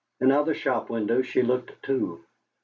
In other shop windows she looked, too.